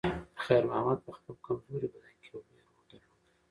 خیر محمد په خپل کمزوري بدن کې یو لوی روح درلود.